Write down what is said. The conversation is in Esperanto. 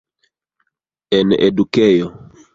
En edukejo.